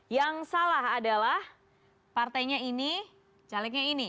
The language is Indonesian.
yang salah adalah partainya ini calegnya ini